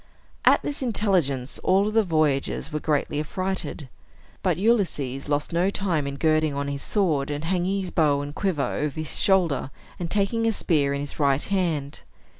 At this intelligence, all the voyagers were greatly affrighted. But Ulysses lost no time in girding on his sword, and hanging his bow and quiver over his shoulders, and taking a spear in his right hand.